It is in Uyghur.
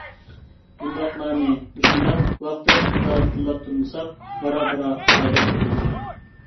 بۇنداقلارنى مۇشۇنداق ۋاقتى-ۋاقتىدا تىللاپ تۇرمىساق، بارا-بارا ئەدەپ كېتىدۇ.